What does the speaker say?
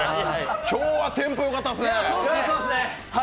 今日はテンポよかったですね。